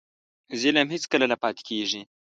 ظلم هېڅکله نه پاتې کېږي.